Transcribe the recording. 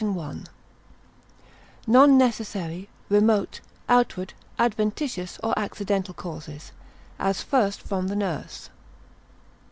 I—Non necessary, remote, outward, adventitious, or accidental causes: as first from the Nurse.